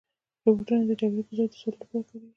روبوټونه د جګړې په ځای د سولې لپاره کارېږي.